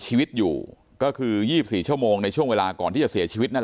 ชีวิตอยู่ก็คือ๒๔ชั่วโมงในช่วงเวลาก่อนที่จะเสียชีวิตนั่นแหละ